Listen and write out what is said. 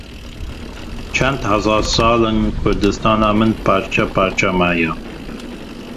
Çend hezar sal in Kurdistana min parçe parçe maye.